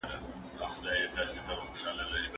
شاه شجاع وویل چې ما څه ګناه کړې؟